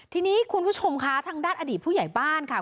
ทีนี้คุณผู้ชมคะทางด้านอดีตผู้ใหญ่บ้านค่ะ